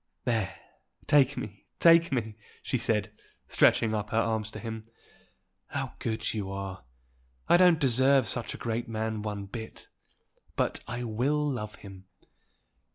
"There! take me, take me!" she said, stretching up her arms to him. "How good you are! I don't deserve such a great man one bit. But I will love him.